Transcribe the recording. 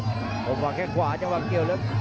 อมพยายามไปฝากแขนขวาจังหวะเกลียวไม่ใกล้